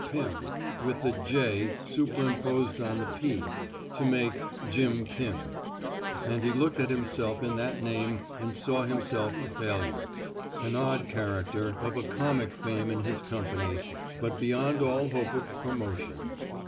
Pim '*— with the '^ J *' super imposed on the '* P " to make '* Jim Pim '*— and he looked at himself in that name and saw himself a failure, an odd character, of 180 TEAINING ^* SALLY '^ WATERS a comic fame in his company, but beyond all hope of promotion.